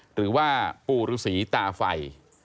หรือว่าปู่ฤษีตาไฟ